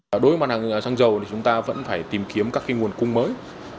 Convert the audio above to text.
đối với mặt hàng xăng dầu thì chúng ta vẫn phải tìm kiếm các nguồn cung mới